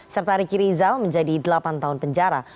serta riki rizal menjadi delapan tahun penjara